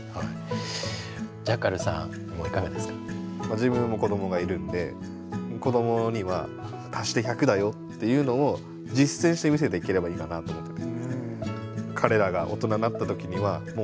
自分も子どもがいるんで子どもには足して１００だよっていうのを実践して見せていければいいかなと思ってて。